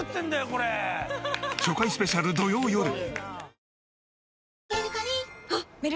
初回スペシャル土曜よる！